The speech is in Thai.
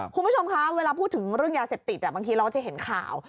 คุณผู้ชมคะเวลาพูดถึงเรื่องยาเสพติดบางทีเราก็จะเห็นข่าว